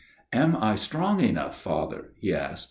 "* Am I strong enough, Father ?' he asked.